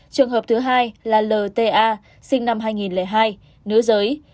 trường hợp thứ hai là lta sinh năm hai nghìn hai nữ giới